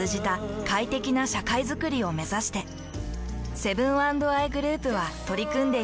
セブン＆アイグループは取り組んでいます。